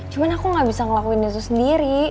cuman aku gak bisa ngelakuin itu sendiri